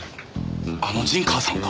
あの陣川さんが？